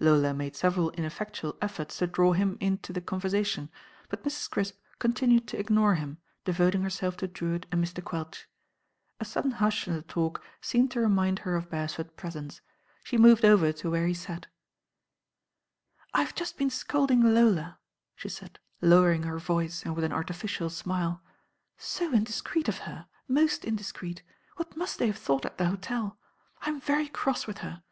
Lola niadt several ineffectual efforts to draw him into the conversation; but Mrs. Crisp continued to ignore him, devoting herself to Drewitt and Mr. Quelch. A sudden hush in the talk seemed to remind her of Beresford's presence. She moved over to where he sat. t86 THE RAm OIRL I ve just been scolding Lda," she said, lowering her voice and with an artificial smile; "so indiscreet of her. Most indiscreet. What must they have thought at the hotel. I'm very cross with her.